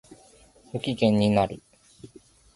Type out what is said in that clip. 不機嫌になる